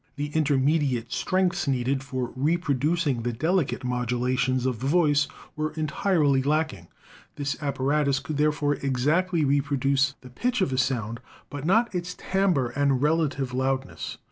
The intermediate strengths needed for reproducing the delicate modulations of the voice were entirely lacking. This apparatus could therefore exactly reproduce the pitch of a sound, but not its timbre and relative loudness.